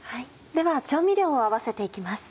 では調味料を合わせて行きます。